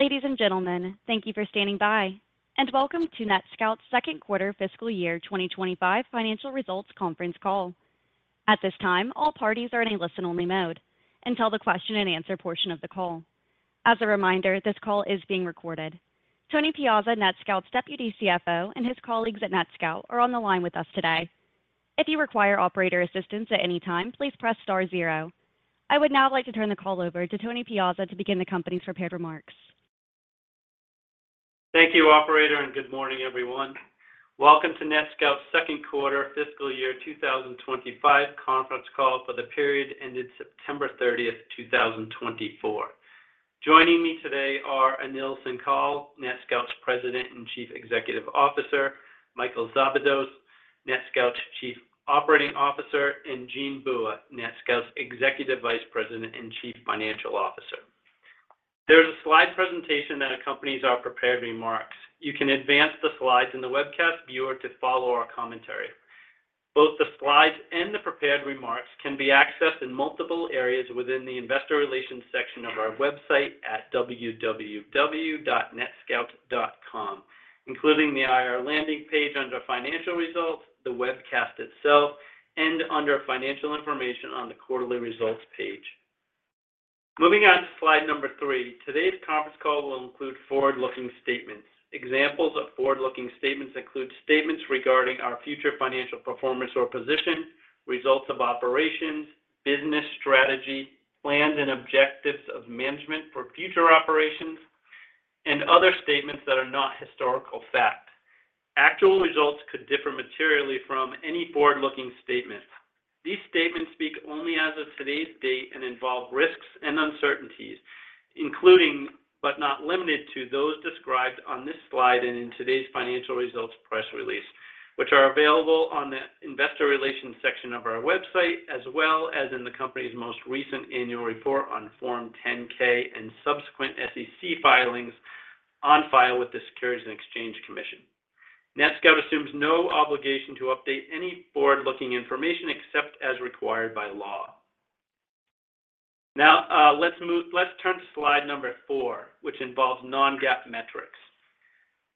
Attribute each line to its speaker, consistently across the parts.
Speaker 1: Ladies and gentlemen, thank you for standing by, and welcome to NetScout's second quarter fiscal year 2025 financial results conference call. At this time, all parties are in a listen-only mode until the question and answer portion of the call. As a reminder, this call is being recorded. Tony Piazza, NetScout's Deputy CFO, and his colleagues at NetScout are on the line with us today. If you require operator assistance at any time, please press star zero. I would now like to turn the call over to Tony Piazza to begin the company's prepared remarks.
Speaker 2: Thank you, operator, and good morning, everyone. Welcome to NetScout's second quarter fiscal year 2025 conference call for the period ended September 30th, 2024. Joining me today are Anil Singhal, NetScout's President and Chief Executive Officer, Michael Szabados, NetScout's Chief Operating Officer, and Jean Bua, NetScout's Executive Vice President and Chief Financial Officer. There's a slide presentation that accompanies our prepared remarks. You can advance the slides in the webcast viewer to follow our commentary. Both the slides and the prepared remarks can be accessed in multiple areas within the investor relations section of our website at www.netscout.com, including the IR landing page under Financial Results, the webcast itself, and under Financial Information on the Quarterly Results page. Moving on to slide number three. Today's conference call will include forward-looking statements. Examples of forward-looking statements include statements regarding our future financial performance or position, results of operations, business strategy, plans and objectives of management for future operations, and other statements that are not historical fact. Actual results could differ materially from any forward-looking statement. These statements speak only as of today's date and involve risks and uncertainties, including, but not limited to, those described on this slide and in today's financial results press release, which are available on the investor relations section of our website, as well as in the company's most recent annual report on Form 10-K and subsequent SEC filings on file with the Securities and Exchange Commission. NetScout assumes no obligation to update any forward-looking information except as required by law. Now, let's turn to slide number four, which involves non-GAAP metrics.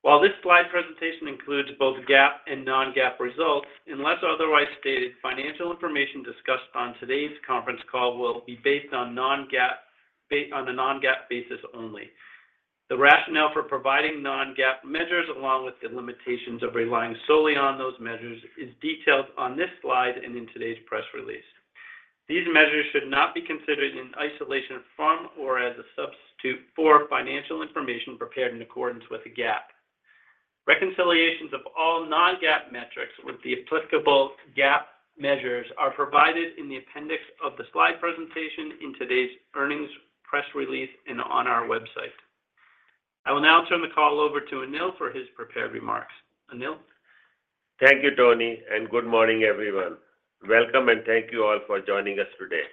Speaker 2: While this slide presentation includes both GAAP and non-GAAP results, unless otherwise stated, financial information discussed on today's conference call will be based on non-GAAP, on a non-GAAP basis only. The rationale for providing non-GAAP measures, along with the limitations of relying solely on those measures, is detailed on this slide and in today's press release. These measures should not be considered in isolation from or as a substitute for financial information prepared in accordance with the GAAP. Reconciliations of all non-GAAP metrics with the applicable GAAP measures are provided in the appendix of the slide presentation in today's earnings press release and on our website. I will now turn the call over to Anil for his prepared remarks. Anil?
Speaker 3: Thank you, Tony, and good morning, everyone. Welcome and thank you all for joining us today.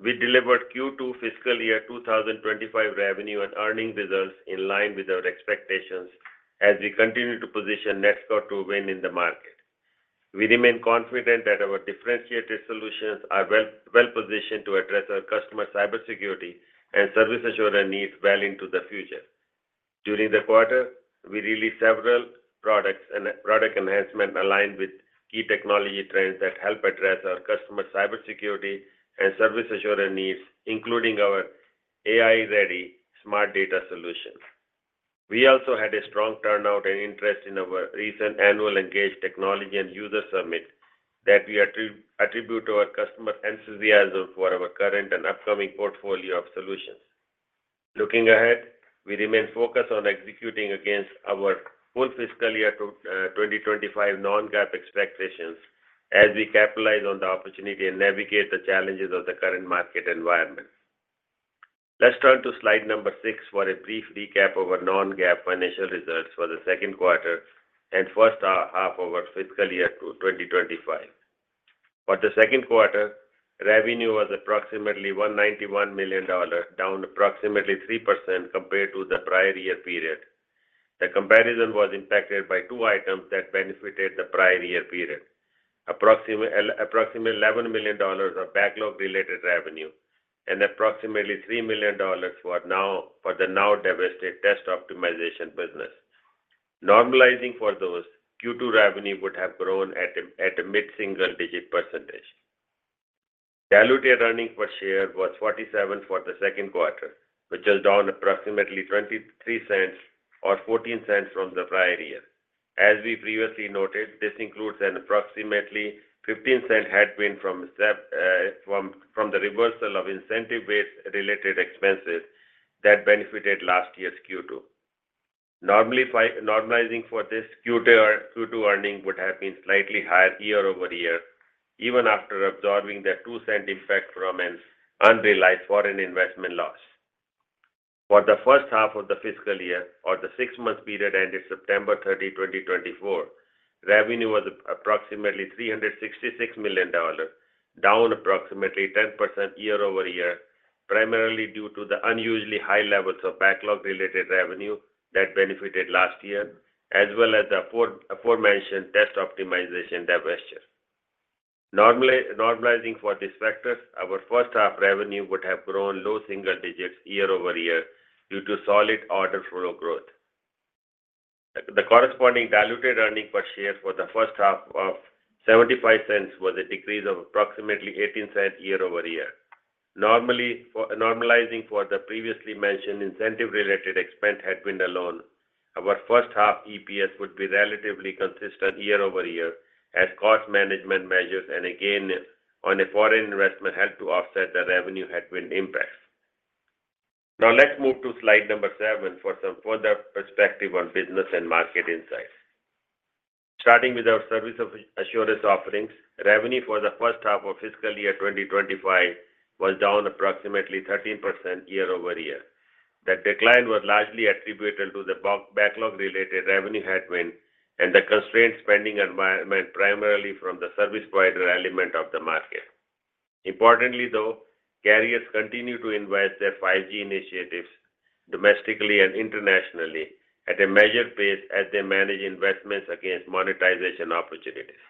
Speaker 3: We delivered Q2 fiscal year 2025 revenue and earnings results in line with our expectations as we continue to position NetScout to win in the market. We remain confident that our differentiated solutions are well, well-positioned to address our customer cybersecurity and service assurance needs well into the future. During the quarter, we released several products and product enhancement aligned with key technology trends that help address our customer cybersecurity and service assurance needs, including our AI-ready Smart Data solutions. We also had a strong turnout and interest in our recent annual Engage Technology and User Summit that we attribute to our customer enthusiasm for our current and upcoming portfolio of solutions. Looking ahead, we remain focused on executing against our full fiscal year non-GAAP expectations as we capitalize on the opportunity and navigate the challenges of the current market environment. Let's turn to slide number six for a brief recap of our non-GAAP financial results for the second quarter and first half of our fiscal year 2025. For the second quarter, revenue was approximately $191 million, down approximately 3% compared to the prior year period. The comparison was impacted by two items that benefited the prior year period, approximately $11 million of backlog-related revenue and approximately $3 million for the now divested Test Optimization business. Normalizing for those, Q2 revenue would have grown at a mid-single-digit percentage. Diluted earnings per share was $0.47 for the second quarter, which is down approximately $0.23 or $0.14 from the prior year. As we previously noted, this includes an approximately 15-cent headwind from the reversal of incentive-based related expenses that benefited last year's Q2. Normalizing for this, Q2 earnings would have been slightly higher year-over-year, even after absorbing the 2-cent effect from an unrealized foreign investment loss. For the first half of the fiscal year or the six-month period ended September 30, 2024, revenue was approximately $366 million, down approximately 10% year-over-year, primarily due to the unusually high levels of backlog-related revenue that benefited last year, as well as the aforementioned test optimization divestiture. Normally, normalizing for these factors, our first half revenue would have grown low single digits year-over-year due to solid order flow growth. The corresponding diluted earnings per share for the first half of $0.75 was a decrease of approximately $0.18 year-over-year. Normally, normalizing for the previously mentioned incentive-related expense headwind alone, our first half EPS would be relatively consistent year-over-year, as cost management measures and again, on a foreign investment, helped to offset the revenue headwind impacts. Now let's move to slide number 7 for some further perspective on business and market insights. Starting with our service assurance offerings, revenue for the first half of fiscal year 2025 was down approximately 13% year-over-year. The decline was largely attributed to the backlog related revenue headwind and the constrained spending environment, primarily from the service provider element of the market. Importantly, though, carriers continue to invest their 5G initiatives domestically and internationally at a measured pace as they manage investments against monetization opportunities.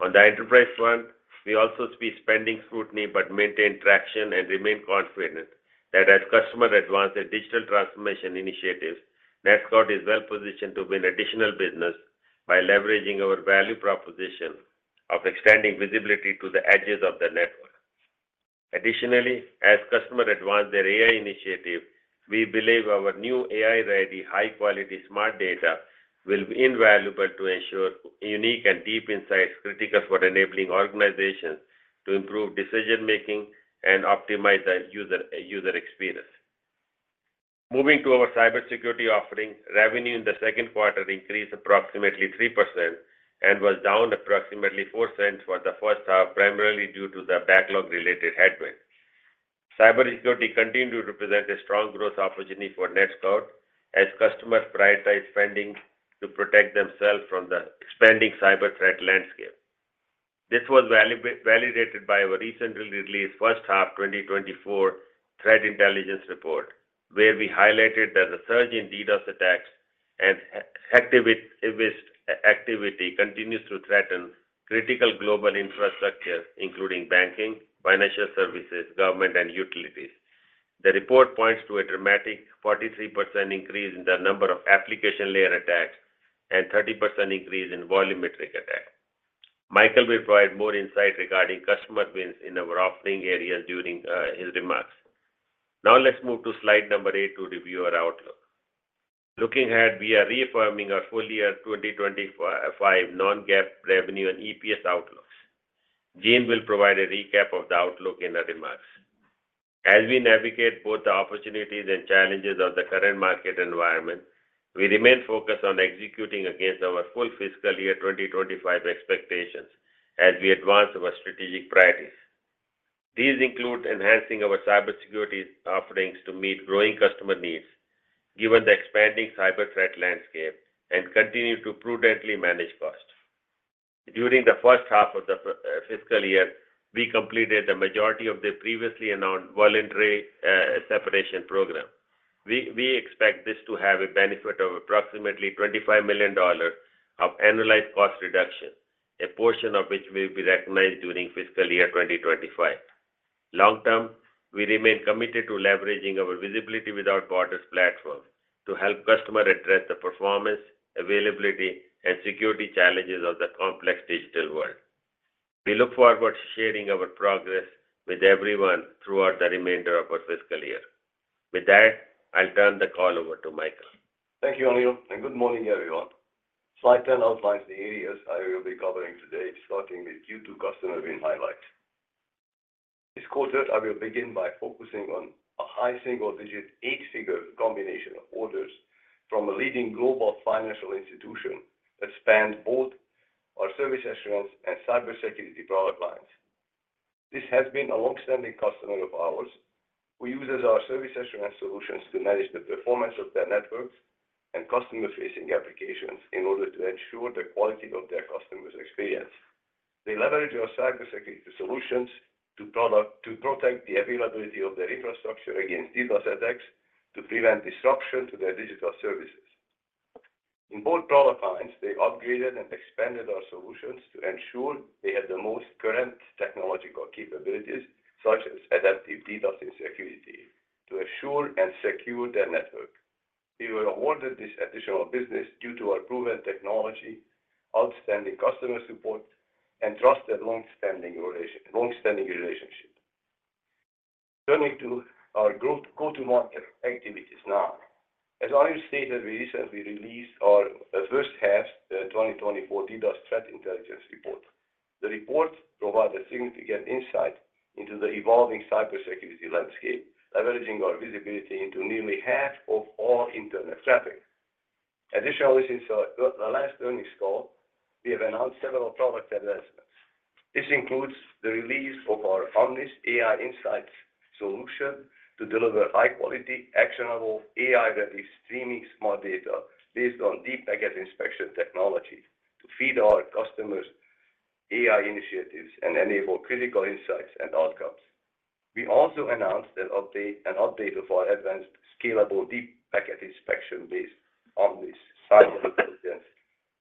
Speaker 3: On the enterprise front, we also see spending scrutiny, but maintain traction and remain confident that as customers advance their digital transformation initiatives, NetScout is well positioned to win additional business by leveraging our value proposition of extending visibility to the edges of the network. Additionally, as customer advance their AI initiative, we believe our new AI-ready, high-quality Smart Data will be invaluable to ensure unique and deep insights, critical for enabling organizations to improve decision-making and optimize the user experience. Moving to our cybersecurity offering, revenue in the second quarter increased approximately 3% and was down approximately four cents for the first half, primarily due to the backlog-related headwind. Cybersecurity continued to represent a strong growth opportunity for NetScout as customers prioritize spending to protect themselves from the expanding cyber threat landscape. This was validated by our recently released first half 2024 Threat Intelligence Report, where we highlighted that the surge in DDoS attacks and hacktivist activity continues to threaten critical global infrastructure, including banking, financial services, government, and utilities. The report points to a dramatic 43% increase in the number of application layer attacks and 30% increase in volumetric attacks. Michael will provide more insight regarding customer wins in our offering areas during his remarks. Now let's move to slide number 8 to review our outlook. Looking ahead, we are reaffirming our full year 2025 non-GAAP revenue and EPS outlooks. Jean will provide a recap of the outlook in her remarks. As we navigate both the opportunities and challenges of the current market environment, we remain focused on executing against our full fiscal year 2025 expectations as we advance our strategic priorities. These include enhancing our cybersecurity offerings to meet growing customer needs, given the expanding cyber threat landscape, and continue to prudently manage costs. During the first half of the fiscal year, we completed the majority of the previously announced Voluntary Separation Program. We expect this to have a benefit of approximately $25 million of annualized cost reduction, a portion of which will be recognized during fiscal year 2025. Long term, we remain committed to leveraging our Visibility Without Borders platform to help customers address the performance, availability, and security challenges of the complex digital world. We look forward to sharing our progress with everyone throughout the remainder of our fiscal year. With that, I'll turn the call over to Michael.
Speaker 4: Thank you, Anil, and good morning, everyone. Slide 10 outlines the areas I will be covering today, starting with Q2 customer win highlights. This quarter, I will begin by focusing on a high single-digit, eight-figure combination of orders from a leading global financial institution that spans both our service assurance and cybersecurity product lines. This has been a long-standing customer of ours who uses our service assurance solutions to manage the performance of their networks and customer-facing applications in order to ensure the quality of their customers' experience. They leverage our cybersecurity solutions to protect the availability of their infrastructure against DDoS attacks, to prevent disruption to their digital services. In both product lines, they upgraded and expanded our solutions to ensure they had the most current technological capabilities, such as adaptive DDoS security, to assure and secure their network. We were awarded this additional business due to our proven technology, outstanding customer support, and trusted, long-standing relation, long-standing relationship. Turning to our growth go-to-market activities now. As Anil stated, we recently released our first half 2024 DDoS Threat Intelligence Report. The report provided a significant insight into the evolving cybersecurity landscape, leveraging our visibility into nearly half of all internet traffic. Additionally, since the last earnings call, we have announced several product advancements. This includes the release of our Omnis AI Insights solution to deliver high-quality, actionable, AI-ready, streaming Smart Data based on deep packet inspection technology to feed our customers' AI initiatives and enable critical insights and outcomes. We also announced an update of our Omnis Cyber Intelligence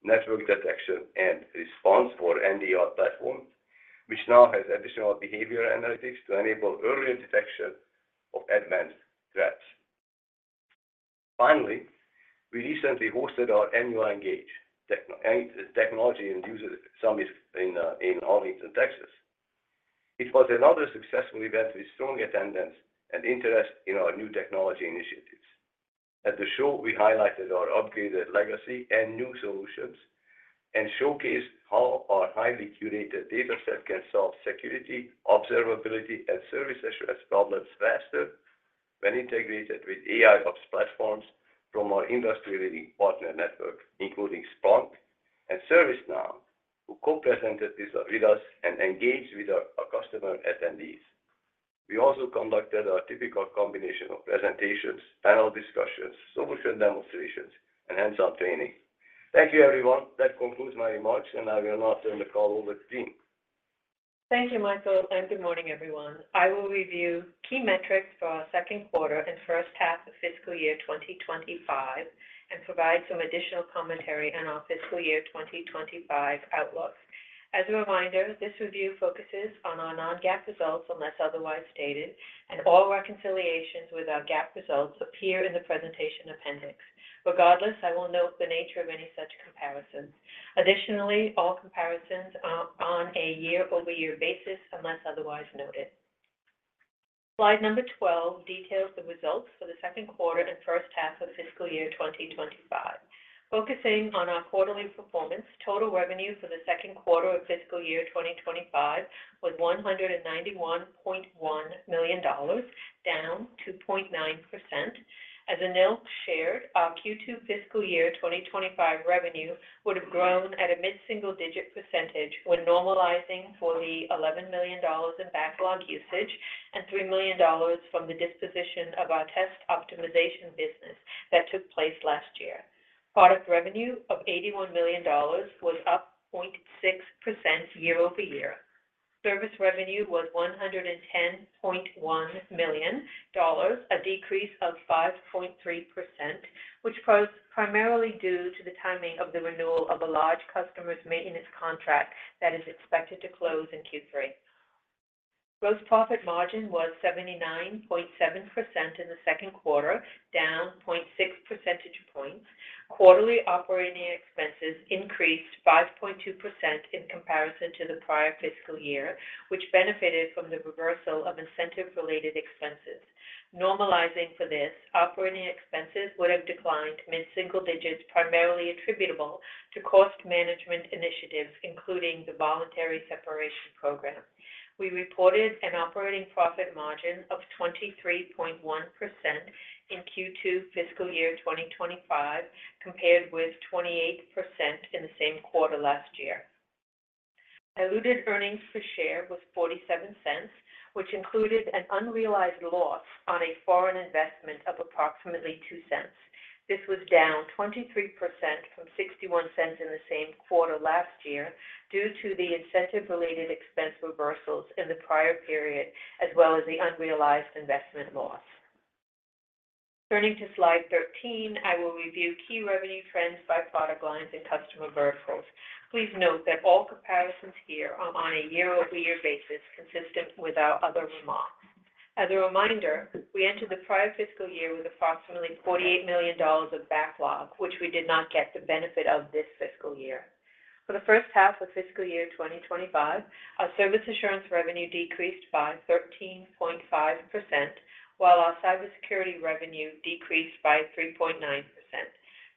Speaker 4: network detection and response, or NDR platform, which now has additional behavior analytics to enable earlier detection of advanced threats. Finally, we recently hosted our annual Engage Technology and User Summit in Arlington, Texas. It was another successful event with strong attendance and interest in our new technology initiatives. At the show, we highlighted our upgraded legacy and new solutions, and showcased how our highly curated data set can solve security, observability, and service assurance problems faster when integrated with AIOps platforms from our industry-leading partner network, including Splunk and ServiceNow, who co-presented this with us and engaged with our customer attendees. We also conducted our typical combination of presentations, panel discussions, solution demonstrations, and hands-on training. Thank you, everyone. That concludes my remarks, and I will now turn the call over to Jean.
Speaker 5: Thank you, Michael, and good morning, everyone. I will review key metrics for our second quarter and first half of fiscal year 2025, and provide some additional commentary on our fiscal year 2025 outlook. As a reminder, this review focuses on our non-GAAP results, unless otherwise stated, and all reconciliations with our GAAP results appear in the presentation appendix. Regardless, I will note the nature of any such comparisons. Additionally, all comparisons are on a year-over-year basis, unless otherwise noted. Slide number 12 details the results for the second quarter and first half of fiscal year2025. Focusing on our quarterly performance, total revenue for the second quarter of fiscal year 2025 was $191.1 million, down 2.9%. As Anil shared, our Q2 fiscal year 2025 revenue would have grown at a mid-single-digit percentage when normalizing for the $11 million in backlog usage and $3 million from the disposition of our test optimization business that took place last year. Product revenue of $81 million was up 0.6% year-over-year. Service revenue was $110.1 million, a decrease of 5.3%, which was primarily due to the timing of the renewal of a large customer's maintenance contract that is expected to close in Q3. Gross profit margin was 79.7% in the second quarter, down 0.6 percentage points. Quarterly operating expenses increased 5.2% in comparison to the prior fiscal year, which benefited from the reversal of incentive-related expenses. Normalizing for this, operating expenses would have declined to mid-single digits, primarily attributable to cost management initiatives, including the Voluntary Separation Program. We reported an operating profit margin of 23.1% in Q2 fiscal year 2025 compared with 28% in the same quarter last year. Diluted earnings per share was $0.47, which included an unrealized loss on a foreign investment of approximately $0.02. This was down 23% from $0.61 in the same quarter last year, due to the incentive-related expense reversals in the prior period, as well as the unrealized investment loss. Turning to slide 13, I will review key revenue trends by product lines and customer verticals. Please note that all comparisons here are on a year-over-year basis, consistent with our other remarks. As a reminder, we entered the prior fiscal year with approximately $48 million of backlog, which we did not get the benefit of this fiscal year. For the first half of fiscal year 2025, our service assurance revenue decreased by 13.5%, while our cybersecurity revenue decreased by 3.9%.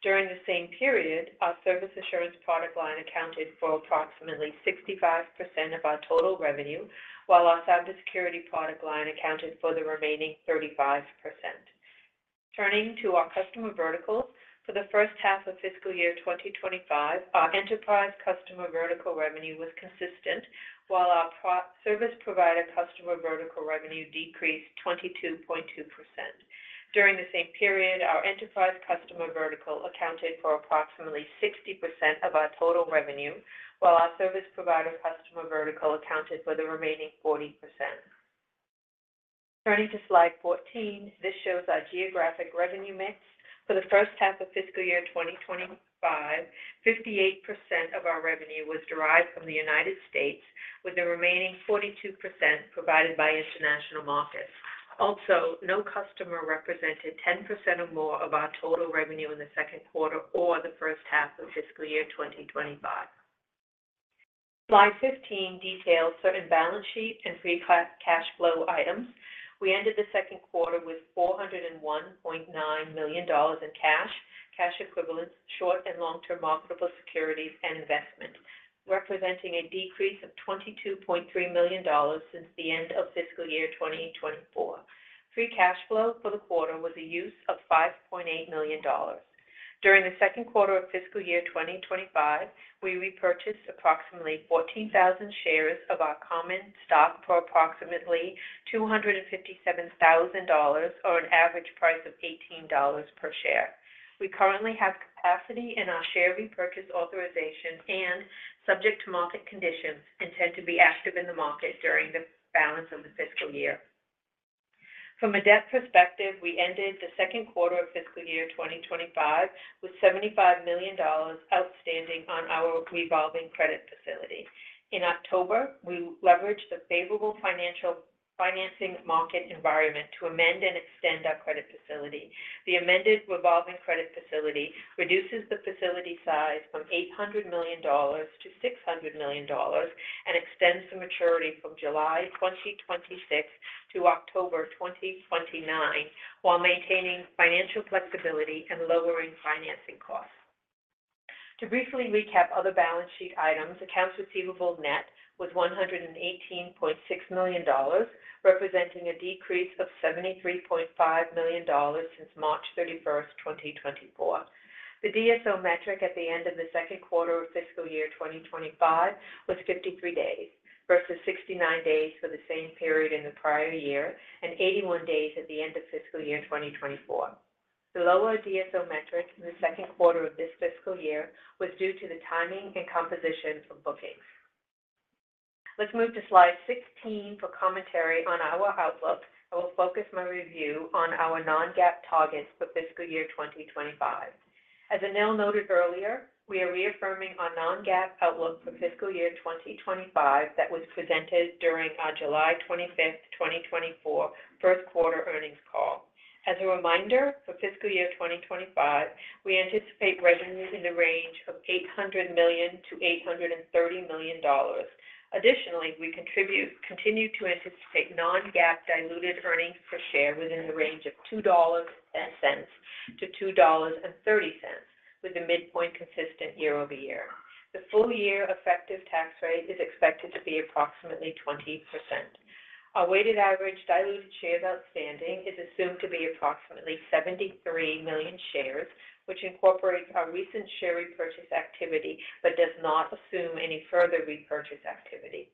Speaker 5: During the same period, our service assurance product line accounted for approximately 65% of our total revenue, while our cybersecurity product line accounted for the remaining 35%. Turning to our customer verticals, for the first half of fiscal year 2025, our enterprise customer vertical revenue was consistent, while our service provider customer vertical revenue decreased 22.2%. During the same period, our enterprise customer vertical accounted for approximately 60% of our total revenue, while our service provider customer vertical accounted for the remaining 40%. Turning to slide 14, this shows our geographic revenue mix. For the first half of fiscal year 2025, 58% of our revenue was derived from the United States, with the remaining 42% provided by international markets. Also, no customer represented 10% or more of our total revenue in the second quarter or the first half of fiscal year 2025. Slide 15 details certain balance sheet and free cash flow items. We ended the second quarter with $401.9 million in cash, cash equivalents, short- and long-term marketable securities and investments, representing a decrease of $22.3 million since the end of fiscal year 2024. Free cash flow for the quarter was a use of $5.8 million. During the second quarter of fiscal year 2025, we repurchased approximately 14,000 shares of our common stock for approximately $257,000, or an average price of $18 per share. We currently have capacity in our share repurchase authorization and, subject to market conditions, intend to be active in the market during the balance of the fiscal year. From a debt perspective, we ended the second quarter of fiscal year 2025 with $75 million outstanding on our revolving credit facility. In October, we leveraged the favorable financing market environment to amend and extend our credit facility. The amended revolving credit facility reduces the facility size from $800 million-$600 million and extends the maturity from July 2026 to October 2029, while maintaining financial flexibility and lowering financing costs. To briefly recap other balance sheet items, accounts receivable net was $118.6 million, representing a decrease of $73.5 million since March 31, 2024. The DSO metric at the end of the second quarter of fiscal year 2025 was 53 days, versus 69 days for the same period in the prior year and 81 days at the end of fiscal year 2024. The lower DSO metric in the second quarter of this fiscal year was due to the timing and composition of bookings. Let's move to slide 16 for commentary on our outlook. I will focus my review on our non-GAAP targets for fiscal year 2025. As Anil noted earlier, we are reaffirming our non-GAAP outlook for fiscal year 2025 that was presented during our July 25th, 2024 first quarter earnings call. As a reminder, for fiscal year 2025, we anticipate revenues in the range of $800 million-$830 million. Additionally, we continue to anticipate non-GAAP diluted earnings per share within the range of $2.10-$2.30, with a midpoint consistent year-over-year. The full year effective tax rate is expected to be approximately 20%. Our weighted average diluted shares outstanding is assumed to be approximately 73 million shares, which incorporates our recent share repurchase activity but does not assume any further repurchase activity.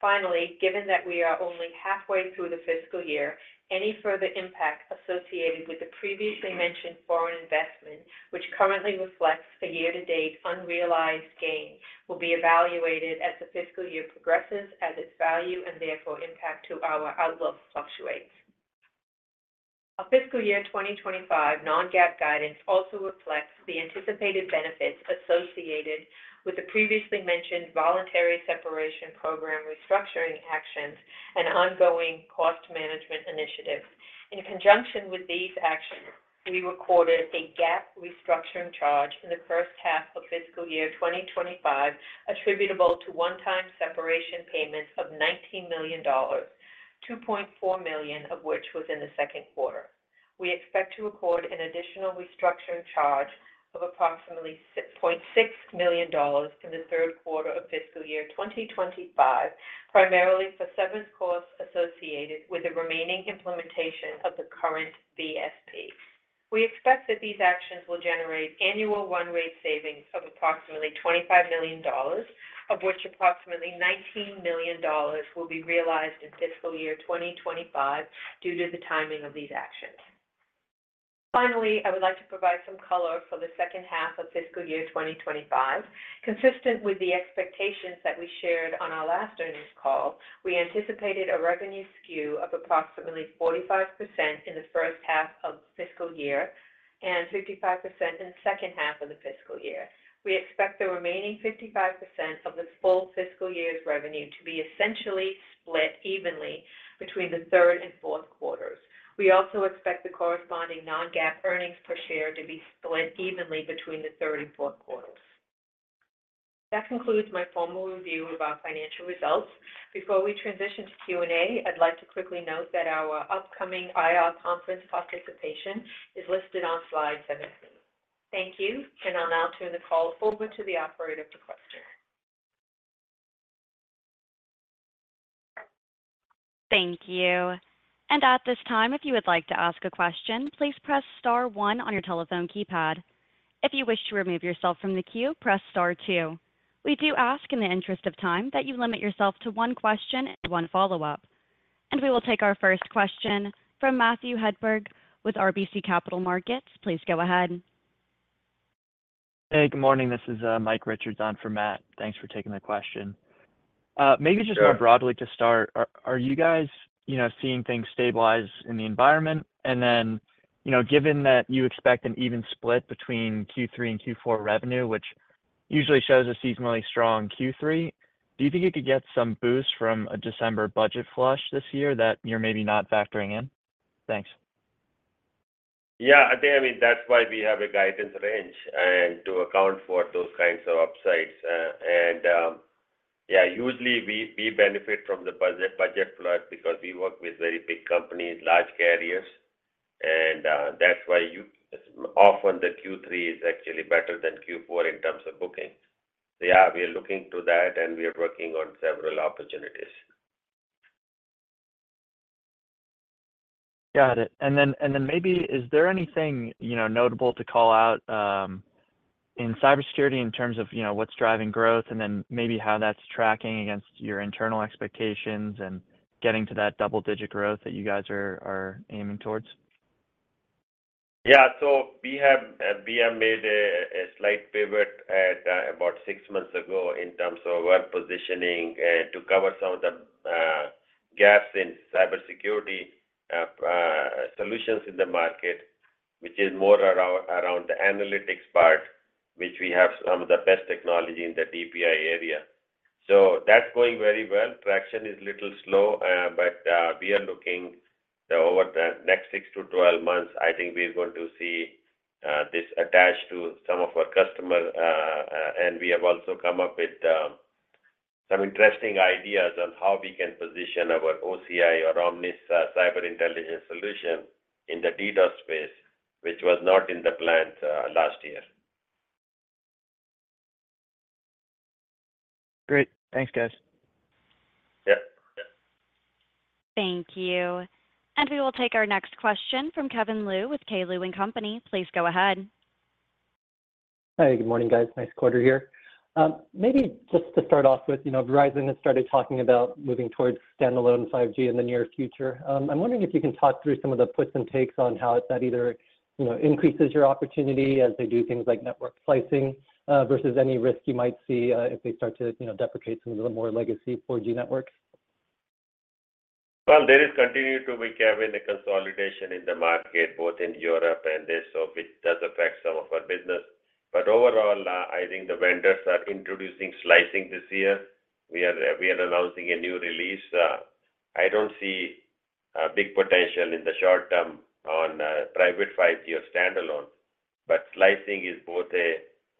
Speaker 5: Finally, given that we are only halfway through the fiscal year, any further impact associated with the previously mentioned foreign investment, which currently reflects a year-to-date unrealized gain, will be evaluated as the fiscal year progresses as its value, and therefore impact to our outlook fluctuates. Our fiscal year 2025 non-GAAP guidance also reflects the anticipated benefits associated with the previously mentioned Voluntary Separation Program, restructuring actions, and ongoing cost management initiatives. In conjunction with these actions, we recorded a GAAP restructuring charge in the first half of fiscal year 2025, attributable to one-time separation payments of $19 million, $2.4 million of which was in the second quarter. We expect to record an additional restructuring charge of approximately $6.6 million in the third quarter of fiscal year 2025, primarily for severance costs associated with the remaining implementation of the current VSP. We expect that these actions will generate annual run-rate savings of approximately $25 million, of which approximately $19 million will be realized in fiscal year 2025 due to the timing of these actions. Finally, I would like to provide some color for the second half of fiscal year 2025. Consistent with the expectations that we shared on our last earnings call, we anticipated a revenue skew of approximately 45% in the first half of the fiscal year and 55% in the second half of the fiscal year. We expect the remaining 55% of this full fiscal year's revenue to be essentially split evenly between the third and fourth quarters. We also expect the corresponding non-GAAP earnings per share to be split evenly between the third and fourth quarters. That concludes my formal review of our financial results. Before we transition to Q&A, I'd like to quickly note that our upcoming IR conference participation is listed on slide 17. Thank you, and I'll now turn the call over to the operator for questions.
Speaker 1: Thank you. And at this time, if you would like to ask a question, please press star one on your telephone keypad. If you wish to remove yourself from the queue, press star two. We do ask, in the interest of time, that you limit yourself to one question and one follow-up. And we will take our first question from Matthew Hedberg with RBC Capital Markets. Please go ahead.
Speaker 6: Hey, good morning. This is Mike Richards on for Matt. Thanks for taking the question. Maybe just more broadly to start, are you guys, you know, seeing things stabilize in the environment? And then, you know, given that you expect an even split between Q3 and Q4 revenue, which usually shows a seasonally strong Q3, do you think it could get some boost from a December budget flush this year that you're maybe not factoring in? Thanks.
Speaker 3: Yeah, I think, I mean, that's why we have a guidance range and to account for those kinds of upsides. Yeah, usually we benefit from the budget flush because we work with very big companies, large carriers, and that's why often the Q3 is actually better than Q4 in terms of bookings, so yeah, we are looking to that, and we are working on several opportunities.
Speaker 6: Got it. And then maybe is there anything, you know, notable to call out in cybersecurity in terms of, you know, what's driving growth, and then maybe how that's tracking against your internal expectations and getting to that double-digit growth that you guys are aiming towards?
Speaker 3: Yeah, so we have, we have made a slight pivot at about six months ago in terms of our positioning to cover some of the gaps in cybersecurity solutions in the market, which is more around the analytics part, which we have some of the best technology in the DPI area. So that's going very well. Traction is a little slow, but we are looking over the next 6 months-12 months. I think we're going to see this attached to some of our customer, and we have also come up with some interesting ideas on how we can position our OCI or Omnis Cyber Intelligence solution in the DDoS space, which was not in the plan last year.
Speaker 2: Great. Thanks, guys.
Speaker 3: Yep.
Speaker 1: Thank you, and we will take our next question from Kevin Liu with K. Liu & Company. Please go ahead.
Speaker 7: Hi, good morning, guys. Nice quarter here. Maybe just to start off with, you know, Verizon has started talking about moving towards standalone 5G in the near future. I'm wondering if you can talk through some of the puts and takes on how that either, you know, increases your opportunity as they do things like network slicing, versus any risk you might see, if they start to, you know, deprecate some of the more legacy 4G networks?
Speaker 3: There is continued to be, Kevin, a consolidation in the market, both in Europe and this, so which does affect some of our business. But overall, I think the vendors are introducing slicing this year. We are announcing a new release. I don't see a big potential in the short term on private 5G or standalone, but slicing is both a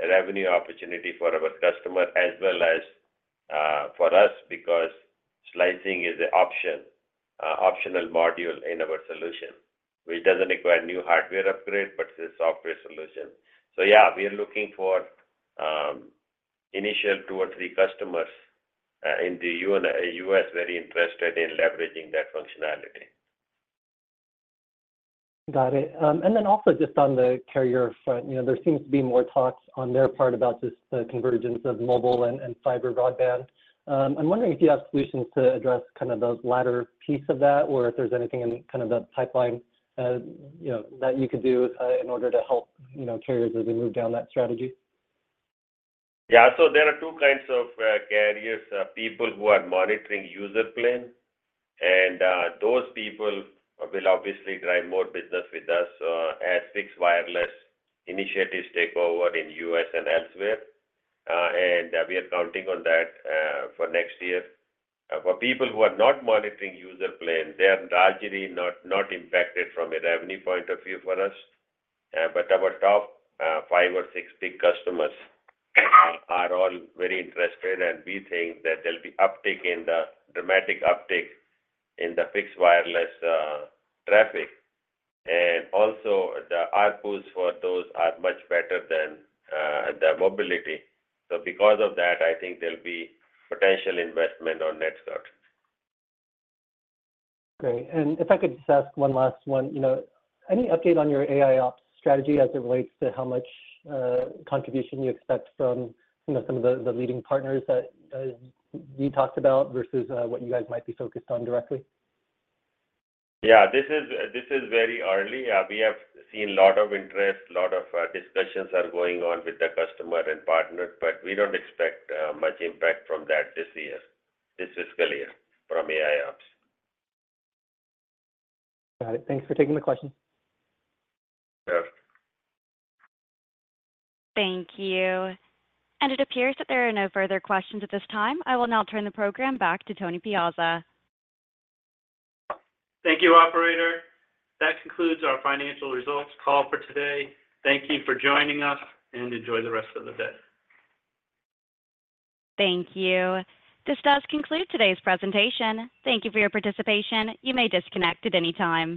Speaker 3: revenue opportunity for our customer as well as for us, because slicing is an optional module in our solution, which doesn't require new hardware upgrade, but it's a software solution. So yeah, we are looking for initial two or three customers in the US very interested in leveraging that functionality.
Speaker 7: Got it. And then also just on the carrier front, you know, there seems to be more talks on their part about this, the convergence of mobile and fiber broadband. I'm wondering if you have solutions to address kind of the latter piece of that, or if there's anything in kind of the pipeline, you know, that you could do, in order to help, you know, carriers as they move down that strategy?
Speaker 3: Yeah. So there are two kinds of carriers. People who are monitoring user plane, and those people will obviously drive more business with us as fixed wireless initiatives take over in U.S. and elsewhere. And we are counting on that for next year. For people who are not monitoring user plane, they are largely not impacted from a revenue point of view for us. But our top five or six big customers are all very interested, and we think that there'll be dramatic uptick in the fixed wireless traffic. And also, the ARPU for those are much better than the mobility. So because of that, I think there'll be potential investment on NetScout.
Speaker 7: Great. And if I could just ask one last one. You know, any update on your AIOps strategy as it relates to how much contribution you expect from, you know, some of the leading partners that we talked about versus what you guys might be focused on directly?
Speaker 3: Yeah, this is, this is very early. We have seen a lot of interest, a lot of discussions are going on with the customer and partners, but we don't expect much impact from that this year, this fiscal year from AIOps.
Speaker 7: Got it. Thanks for taking the question.
Speaker 3: Yeah.
Speaker 1: Thank you. And it appears that there are no further questions at this time. I will now turn the program back to Tony Piazza.
Speaker 2: Thank you, operator. That concludes our financial results call for today. Thank you for joining us, and enjoy the rest of the day.
Speaker 1: Thank you. This does conclude today's presentation. Thank you for your participation. You may disconnect at any time.